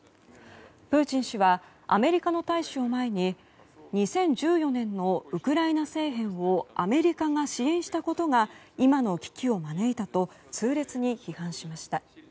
プーチン氏はアメリカの大使を前に２０１４年のウクライナ政変をアメリカが支援したことが今の危機を招いたと痛烈に批判しました。